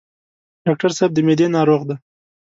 ډاکټر صاحب د معدې ناروغ دی.